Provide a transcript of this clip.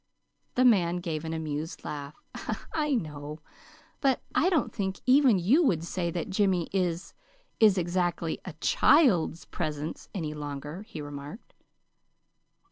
The man gave an amused laugh. "I know; but I don't think even you would say that Jimmy is is exactly a CHILD'S presence any longer," he remarked.